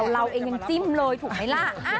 เราเองยังจิ้มเลยถูกไหมล่ะ